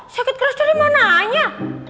sakit keras dari mananya